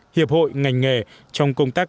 hiệp hội ngành nghề trong công tác